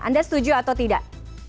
anda setuju atau tidak